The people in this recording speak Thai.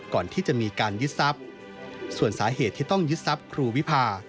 ก่อนที่จะมีการยึดทรัพย์ส่วนสาเหตุที่ต้องยึดทรัพย์ครูวิพา